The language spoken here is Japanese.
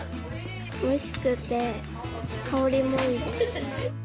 おいしくて、香りもいいです。